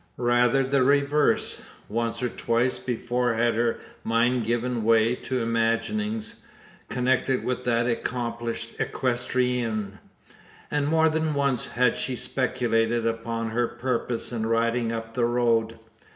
Rather the reverse. Once or twice before had her mind given way to imaginings, connected with that accomplished equestrienne; and more than once had she speculated upon her purpose in riding up the road.